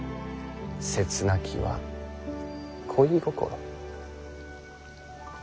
切なきは恋心。